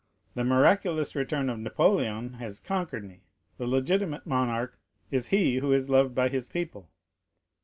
The miraculous return of Napoleon has conquered me, the legitimate monarch is he who is loved by his people."